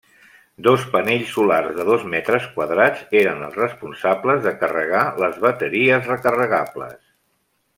Dos panells solars de dos metres quadrats eren les responsables de carregar les bateries recarregables.